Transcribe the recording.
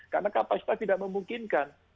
karena kapasitas tidak memungkinkan